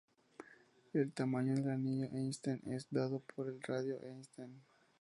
El tamaño del anillo de Einstein es dado por el radio de Einstein.